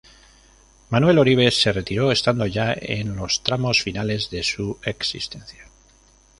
Manuel Oribe se retiró, estando ya en los tramos finales de su existencia.